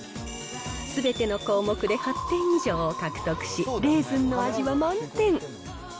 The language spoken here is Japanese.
すべての項目で８点以上を獲得し、レーズンの味は満点。